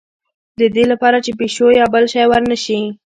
د دې لپاره چې پیشو یا بل شی ور نه شي.